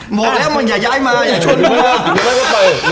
หมดแล้วมึงอย่าย้ายมาอย่าช่วงมึงก็ไป